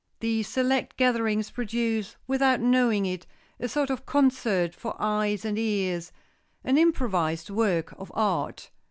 These select gatherings produce, without knowing it, a sort of concert for eyes and ears, an improvised work of art.